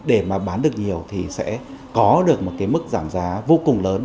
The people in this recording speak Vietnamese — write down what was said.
để mà bán được nhiều thì sẽ có được một cái mức giảm giá vô cùng lớn